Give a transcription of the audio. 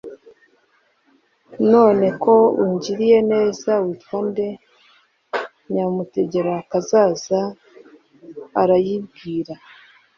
"none ko ungiriye neza witwa nde?" nyamutegerakazaza arayibwira,